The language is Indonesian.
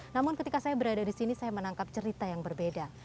namun ketika saya berada di sini saya menangkap cerita yang berbeda